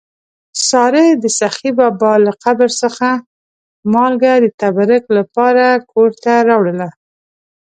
سارې د سخي بابا له قبر څخه مالګه د تبرک لپاره کور ته راوړله.